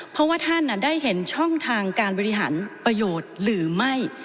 เพราะว่าท่านได้เห็นช่องทางการบริหารประโยชน์หรือไม่